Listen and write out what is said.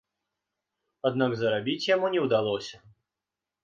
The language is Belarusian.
Аднак зарабіць яму не ўдалося.